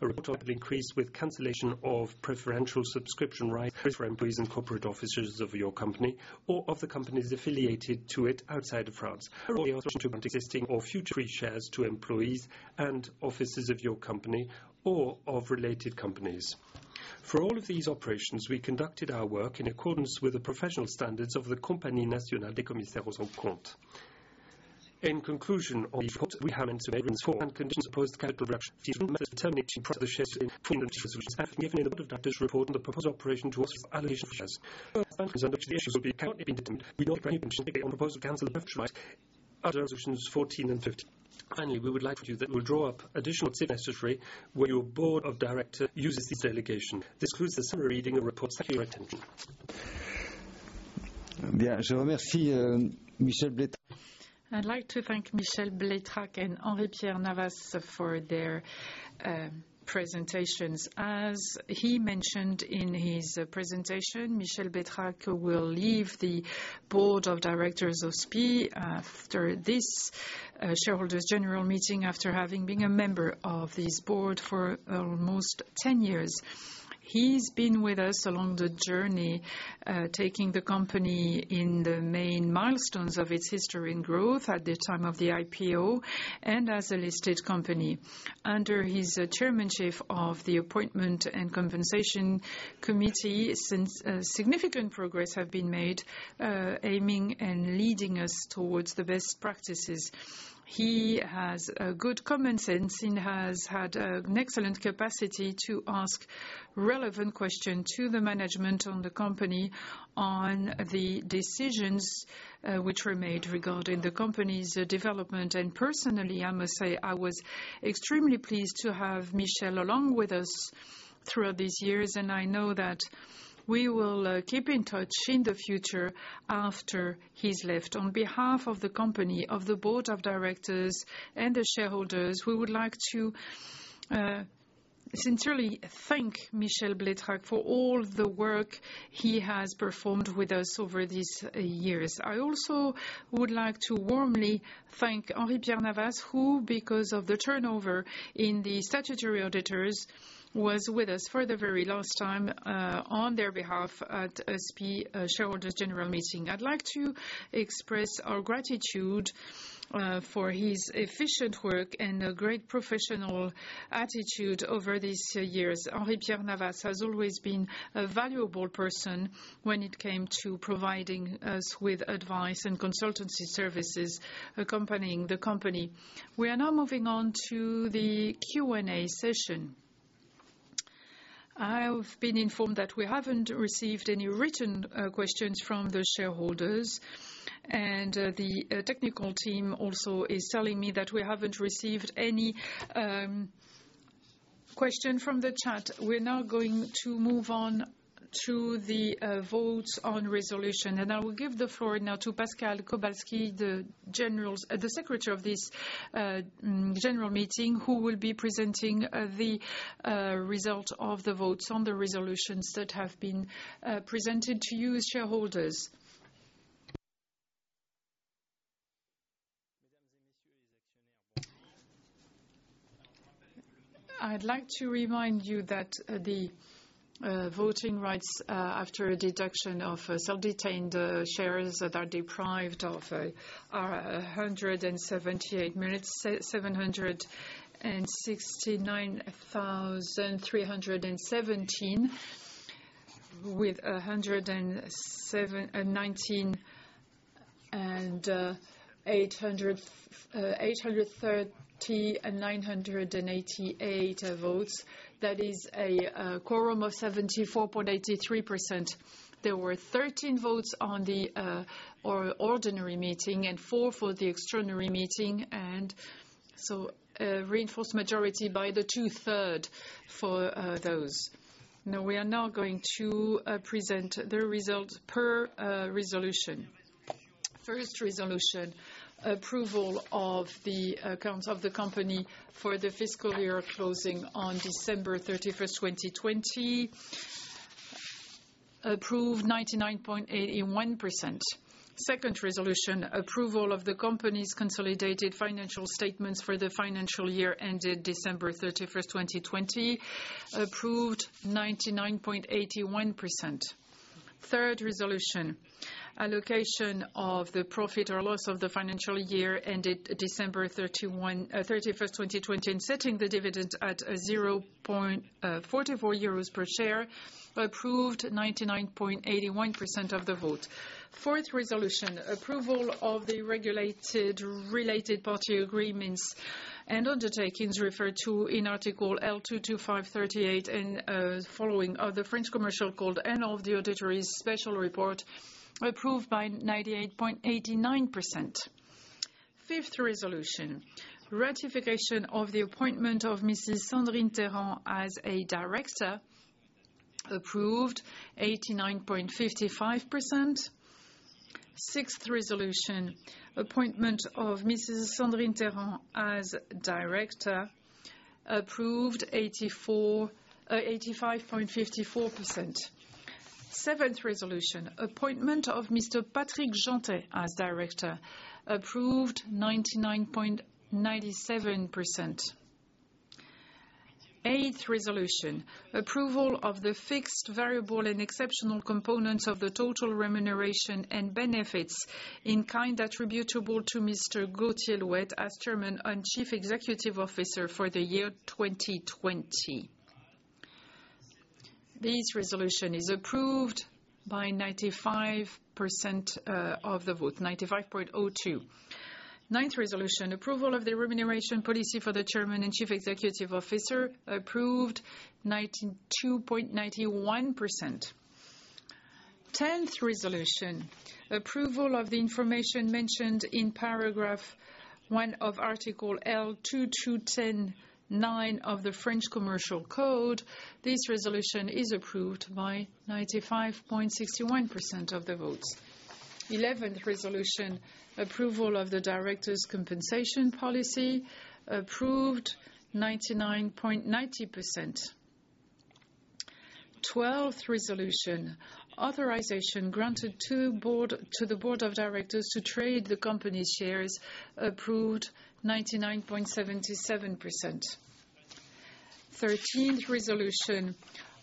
report on capital increase with cancellation of preferential subscription rights for employees and corporate officers of your company or of the companies affiliated to it outside of France. existing or future free shares to employees and officers of your company or of related companies. For all of these operations, we conducted our work in accordance with the professional standards of the Compagnie Nationale des Commissaires aux Comptes. In conclusion on these reports, we have an conditions opposed to capital reduction. These matters determining the price of the shares in resolutions have been given in the board of directors report on the proposed operation towards the allocation of shares. The terms and conditions under which the issues will be cannot have been determined. We note that any emission on the proposal of council resolutions 14 and 15. Finally, we would like to add that we'll draw up additional certificates if necessary where your board of directors uses this delegation. This concludes the summary of the reports. Thank you for your attention. I'd like to thank Michel Bleitrach and Henri-Pierre Navas for their presentations. As he mentioned in his presentation, Michel Bleitrach will leave the board of directors of SPIE after this shareholders general meeting, after having been a member of this board for almost 10 years. He's been with us along the journey, taking the company in the main milestones of its history and growth at the time of the IPO and as a listed company. Under his chairmanship of the appointment and compensation committee, since significant progress have been made, aiming and leading us towards the best practices. He has good common sense and has had an excellent capacity to ask relevant question to the management on the company on the decisions which were made regarding the company's development. Personally, I must say, I was extremely pleased to have Michel Bleitrach along with us through these years, and I know that we will keep in touch in the future after he has left. On behalf of the company, of the board of directors and the shareholders, we would like to sincerely thank Michel Bleitrach for all the work he has performed with us over these years. I also would like to warmly thank Henri-Pierre Navas, who, because of the turnover in the statutory auditors, was with us for the very last time, on their behalf at SPIE shareholders general meeting. I would like to express our gratitude for his efficient work and a great professional attitude over these years. Henri-Pierre Navas has always been a valuable person when it came to providing us with advice and consultancy services accompanying the company. We are now moving on to the Q&A session. I have been informed that we haven't received any written questions from the shareholders, and the technical team also is telling me that we haven't received any question from the chat. We're now going to move on to the votes on resolution, and I will give the floor now to Pascal Kolbaczki, the Secretary of this General Meeting, who will be presenting the result of the votes on the resolutions that have been presented to you as shareholders. I'd like to remind you that the voting rights, after a deduction of self-detained shares that are deprived of, are 178,769,317 with 119,830,988 votes. That is a quorum of 74.83%. There were 13 votes on the ordinary meeting and four for the extraordinary meeting, and so a reinforced majority by the two-third for those. Now, we are now going to present the results per resolution. First resolution: approval of the accounts of the company for the fiscal year closing on December 31st, 2020. Approved 99.81%. Second resolution: approval of the company's consolidated financial statements for the financial year ended December 31st, 2020. Approved 99.81%. Third resolution: allocation of the profit or loss of the financial year ended December 31st, 2020, and setting the dividend at 0.44 euros per share. Approved 99.81% of the vote. Fourth resolution: approval of the regulated related party agreements and undertakings referred to in Article L. 225-38 and following of the French Commercial Code, and of the auditor's special report. Approved by 98.89%. Fifth resolution: ratification of the appointment of Mrs. Sandrine Téran as a director. Approved 89.55%. Sixth resolution: appointment of Mrs. Sandrine Téran as director. Approved 85.54%. Seventh resolution: appointment of Mr. Patrick Jeantet as director. Approved 99.97%. Eighth resolution: approval of the fixed variable and exceptional components of the total remuneration and benefits in kind attributable to Mr. Gauthier Louette as Chairman and Chief Executive Officer for the year 2020. This resolution is approved by 95% of the vote, 95.02%. Ninth resolution: approval of the remuneration policy for the Chairman and Chief Executive Officer. Approved 92.91%. 10th resolution: approval of the information mentioned in paragraph one of Article L. 22-10-9 of the French Commercial Code. This resolution is approved by 95.61% of the votes. 11th resolution: approval of the directors' compensation policy. Approved 99.90%. 12th resolution: authorization granted to the board of directors to trade the company shares. Approved 99.77%. 13th resolution: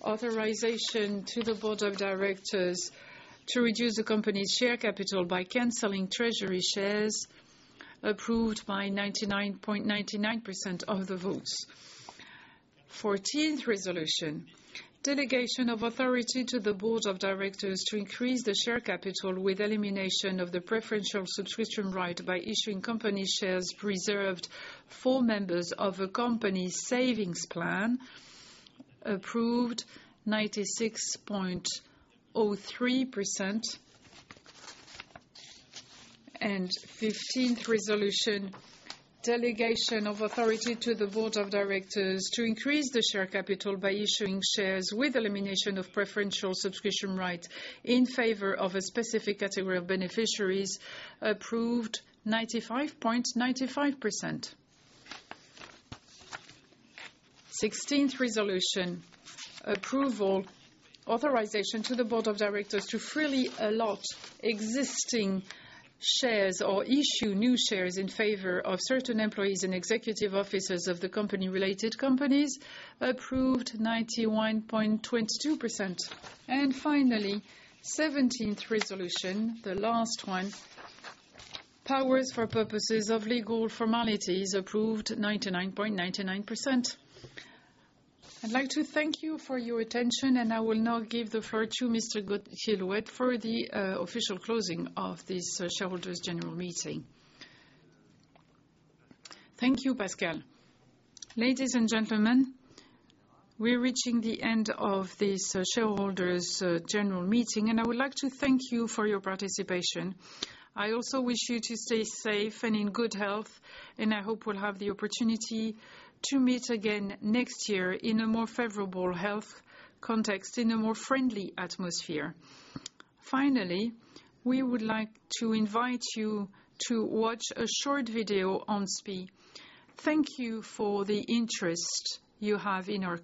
authorization to the board of directors to reduce the company's share capital by canceling treasury shares. Approved by 99.99% of the votes. 14th resolution: delegation of authority to the board of directors to increase the share capital with elimination of the preferential subscription right by issuing company shares reserved for members of a company savings plan. Approved 96.03%. 15th resolution: delegation of authority to the board of directors to increase the share capital by issuing shares with elimination of preferential subscription right in favor of a specific category of beneficiaries. Approved 95.95%. 16th resolution: approval authorization to the board of directors to freely allot existing shares or issue new shares in favor of certain employees and executive officers of the company related companies. Approved 91.22%. Finally, 17th resolution, the last one: powers for purposes of legal formalities. Approved 99.99%. I'd like to thank you for your attention, and I will now give the floor to Mr. Gauthier Louette for the official closing of this shareholders general meeting. Thank you, Pascal. Ladies and gentlemen, we are reaching the end of this shareholders general meeting, and I would like to thank you for your participation. I also wish you to stay safe and in good health, and I hope we will have the opportunity to meet again next year in a more favorable health context, in a more friendly atmosphere. Finally, we would like to invite you to watch a short video on SPIE. Thank you for the interest you have in our company